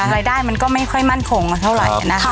รายได้ไม่ค่อยมั่นคงเท่าไหร่